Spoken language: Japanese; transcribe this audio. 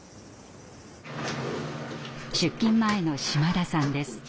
出勤前の島田さんです。